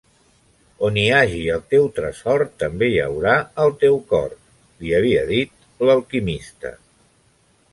"On hi hagi el teu tresor, també hi haurà el teu cor" li havia dit l'alquimista.